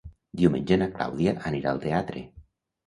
Diumenge na Clàudia anirà al teatre.